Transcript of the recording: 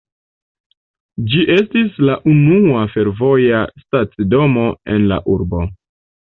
Ĝi estis la unua fervoja stacidomo en la urbo.